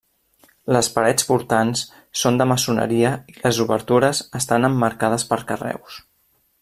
Les parets portants són de maçoneria i les obertures estan emmarcades per carreus.